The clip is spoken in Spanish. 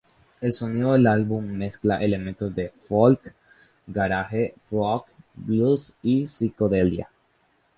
El sonido del álbum mezcla elementos del folk, garage rock, blues y psicodelia.